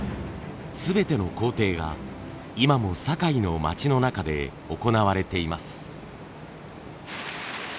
全ての工程が今も堺の街の中で行われています。